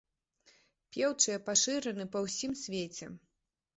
Пеўчыя пашыраны па ўсім свеце.